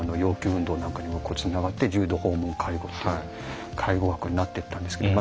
運動なんかにもつながって重度訪問介護っていう介護枠になっていったんですけど。